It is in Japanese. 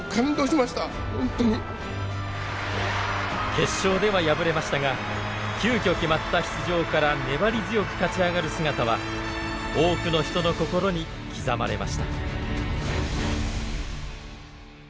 決勝では敗れましたが急きょ決まった出場から粘り強く勝ち上がる姿は多くの人の心に刻まれました。